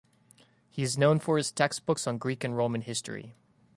He is known for his textbooks on Greek and Roman history.